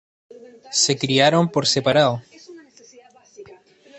Se criaron por separado.